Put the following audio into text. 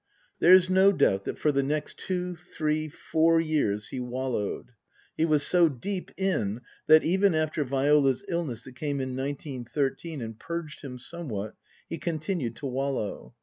There's no doubt that for the next two three four years he wallowed. He was so deep in that, even after Viola's illness that came in nineteen thirteen and purged him somewhat, he continued to wallow.